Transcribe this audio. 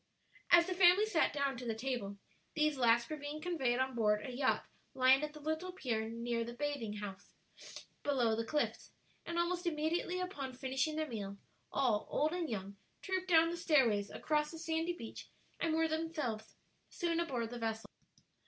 As the family sat down to the table, these last were being conveyed on board a yacht lying at the little pier near the bathing place below the cliffs; and almost immediately upon finishing their meal, all, old and young, trooped down the stairways, across the sandy beach, and were themselves soon aboard the vessel.